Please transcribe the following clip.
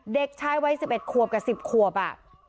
เด็กชายวัย๑๑ขวบกับ๑๐ขวบอ่ะ